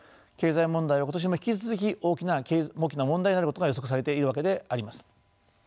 経済問題は今年も引き続き大きな問題になることが予測されているわけであります。